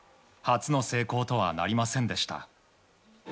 初の成功とはなりませんでした。